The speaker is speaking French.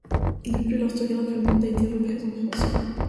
Depuis, l'orthographe allemande a été reprise en français.